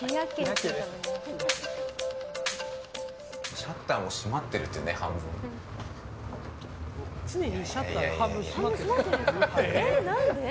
シャッターも閉まってるっていうね、完全に。